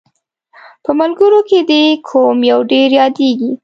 په ملګرو کې دې کوم یو ډېر یادیږي؟